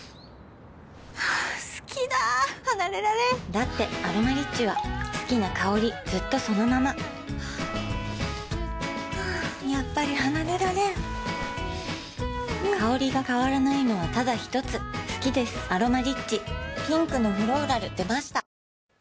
好きだ離れられんだって「アロマリッチ」は好きな香りずっとそのままやっぱり離れられん香りが変わらないのはただひとつ好きです「アロマリッチ」